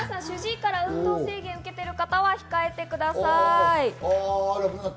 主治医から運動制限を受けてる方は控えてください。